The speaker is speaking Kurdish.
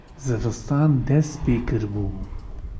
zivistan dest pê kiribû